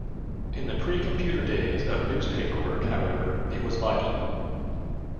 In the pre-computer days of newspaper work, however, it was vital.